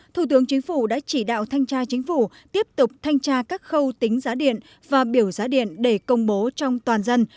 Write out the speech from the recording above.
thủ tướng chính phủ đã chỉ đạo thanh tra chính phủ tiếp tục thanh tra các khâu tính giá điện và biểu giá điện để công bố trong toàn dân